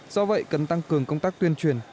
do vậy cần tăng cường công tác tuyên truyền